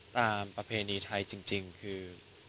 ประเพณีไทยจริงคือ